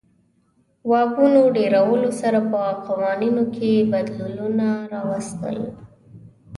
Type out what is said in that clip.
واکونو ډېرولو سره په قوانینو کې بدلونونه راوستل.